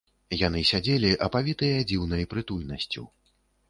Яны сядзелі, апавітыя дзіўнай прытульнасцю.